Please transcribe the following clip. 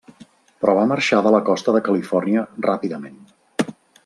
Però va marxar de la costa de Califòrnia ràpidament.